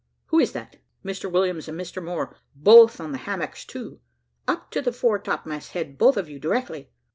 Who is that? Mr Williams and Mr Moore both on the hammocks, too. Up to the fore topmast head, both of you directly.